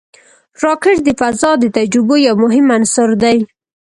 راکټ د فضا د تجربو یو مهم عنصر دی